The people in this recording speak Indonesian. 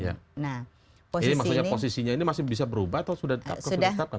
jadi maksudnya posisinya ini masih bisa berubah atau sudah tetap